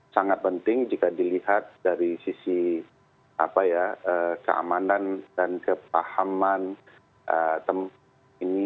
sangat penting jika dilihat dari sisi keamanan dan kepahaman tempat ini